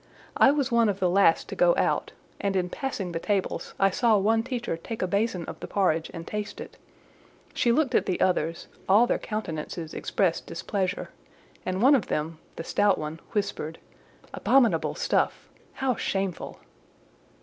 I was one of the last to go out, and in passing the tables, I saw one teacher take a basin of the porridge and taste it; she looked at the others; all their countenances expressed displeasure, and one of them, the stout one, whispered— "Abominable stuff! How shameful!"